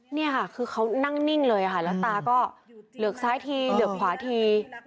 นี่ค่ะคือเขานั่งนิ่งเลยค่ะแล้วตาก็เหลือกซ้ายทีเหลือกขวาที